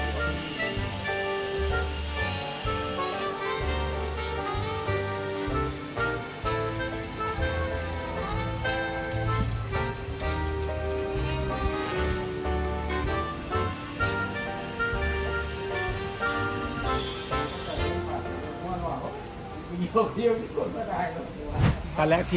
ใช่ใช่ใช่